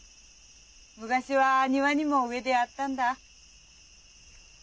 昔は庭にも植えであったんだ。